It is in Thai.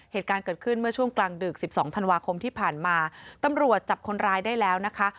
เหตุการณ์เกิดขึ้นเมื่อช่วงกลางดึก๑๒ธันวาคมที่ผ่านมาตำรวจจับคนร้ายได้แล้วนะคะ